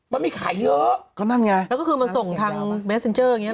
มันมีขายเยอะก็นั่นไงแล้วก็คือมาส่งทางเบสเซ็นเจอร์อย่างเงี้